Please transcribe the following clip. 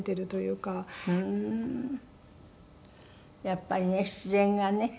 やっぱりね自然がね